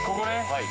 はい。